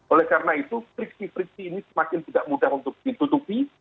oleh karena itu friksi friksi ini semakin tidak mudah untuk ditutupi